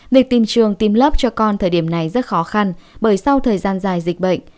việc tìm trường tìm lớp cho con thời điểm này rất khó khăn bởi sau thời gian dài dịch bệnh